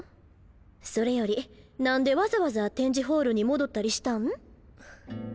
それより何でわざわざ展示ホールに戻ったりしたん？